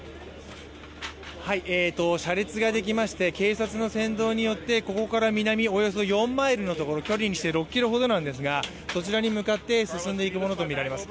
車列ができまして、警察の先導によってここから南およそ４マイルのところ距離にしておよそ６ｋｍほどなんですがそちらに向かって進んでいくものとみられます。